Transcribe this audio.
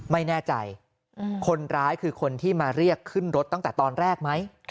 ไม่แน่ใจคนร้ายคือคนที่มาเรียกขึ้นรถตั้งแต่ตอนแรกไหม